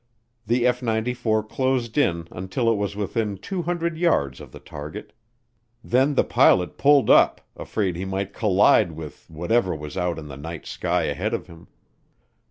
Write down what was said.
The F 94 closed in until it was within 200 yards of the target; then the pilot pulled up, afraid he might collide with whatever was out in the night sky ahead of him.